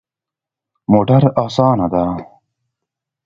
موټر اسانه ده